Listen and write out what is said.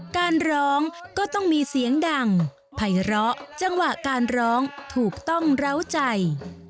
การร้องก็ต้องมีเสียงดังไพร้อจังหวะการร้องถูกต้องเล้าใจ